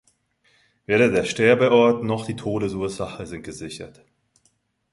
Weder der Sterbeort noch die Todesursache sind gesichert.